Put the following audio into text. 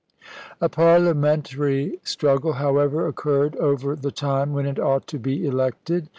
A parliamentary struggle, however, oc chap.xx. curred over the time when it ought to be elected.